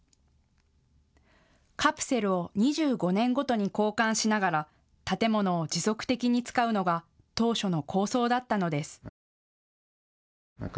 カプセルを２５年ごとに交換しながら建物を持続的に使うのが当初の構想だったのです。